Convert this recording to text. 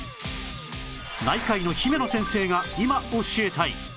内科医の姫野先生が今教えたい